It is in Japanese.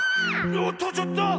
おっとちょっと！